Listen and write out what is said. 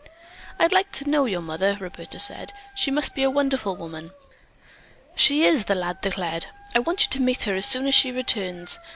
"I'd like to know your mother," Roberta said. "She must be a wonderful woman." "She is!" the lad declared. "I want you to meet her as soon as she returns.